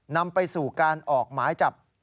นำไปสู่การออกหมายจับ